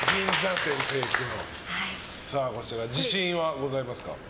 こちら、自信はございますか？